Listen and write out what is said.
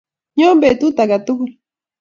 nyo petut aketugul